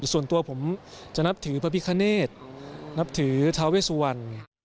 ส่วนตัวผมจะนับถือพระพิคเนตนับถือทาเวสุวรรณ